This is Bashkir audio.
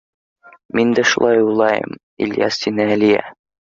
— Мин дә шулай уйлайым, Ильяс, — тине Әлиә.